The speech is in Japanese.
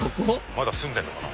まだ住んでるのかな。